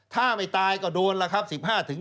ถ้าไม่ตายก็โดนล่ะครับ๑๕ถึง๒๐